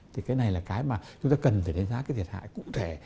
thì cái này là cái mà chúng ta cần để đánh giá thiệt hại cụ thể